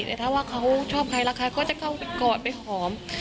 แต่ถ้าว่าเขาชอบใครรักใครก็จะเข้าไปกอดไปหอม